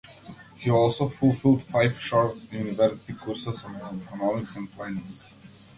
He also fulfilled five short university courses on economics and planning.